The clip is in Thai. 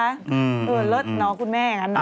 เออเลิศน้องคุณแม่อย่างนั้นนะคะ